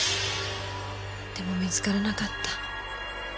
でも見つからなかった。